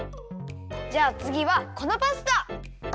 じゃあつぎはこのパスタ！